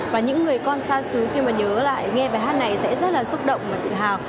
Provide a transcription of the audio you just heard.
và những người con xa xứ khi mà nhớ lại nghe bài hát này sẽ rất là xúc động và tự hào